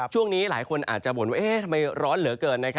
ช่วงนี้หลายคนอาจจะบ่นว่าทำไมร้อนเหลือเกิน